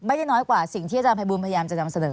ไม่ได้น้อยกว่าสิ่งที่อาจารย์ภัยบูลพยายามจะนำเสนอ